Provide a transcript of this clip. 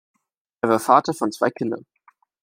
Er war Vater von zwei Kindern.